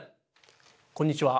こんにちは。